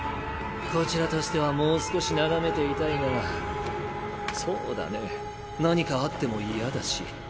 こちらとしてはもう少し眺めていたいがそうだね何かあっても嫌だし。